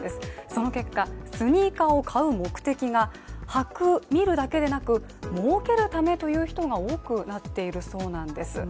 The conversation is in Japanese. その結果、スニーカーを買う目的が履く見るだけでなく、儲けるためという人が多くなっているそうなんです。